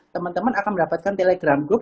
teman teman akan mendapatkan telegram group